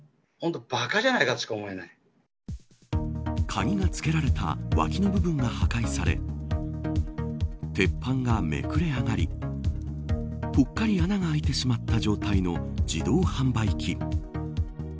鍵がつけられた脇の部分が破壊され鉄板がめくれ上がりぽっかり穴が開いてしまった状態の自動販売機。